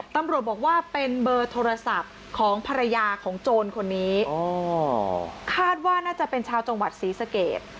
ตำรวจบอกว่าเป็นเบอร์โทรศัพท์ของภรรยาของโจรคนนี้คาดว่าน่าจะเป็นชาวจังหวัดศรีสเกต